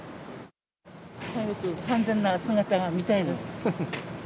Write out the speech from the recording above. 早く完全な姿が見たいです。